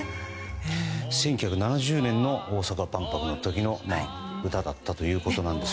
１９７０年の大阪万博の時の歌だったということなんですが。